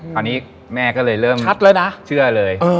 คราวนี้แม่ก็เลยเริ่มเชื่อเลย